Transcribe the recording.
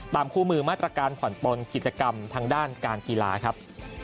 คู่มือมาตรการผ่อนปนกิจกรรมทางด้านการกีฬาครับ